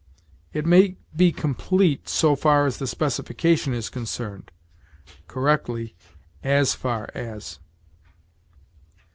"It may be complete so far as the specification is concerned": correctly, "as far as."